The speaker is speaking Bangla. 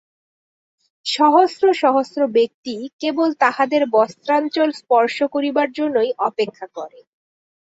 সহস্র সহস্র ব্যক্তি কেবল তাঁহাদের বস্ত্রাঞ্চল স্পর্শ করিবার জন্যই অপেক্ষা করে।